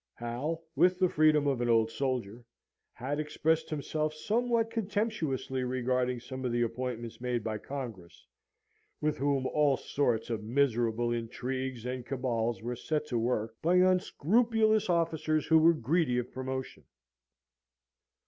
Hal, with the freedom of an old soldier, had expressed himself somewhat contemptuously regarding some of the appointments made by Congress, with whom all sorts of miserable intrigues and cabals were set to work by unscrupulous officers who were greedy of promotion.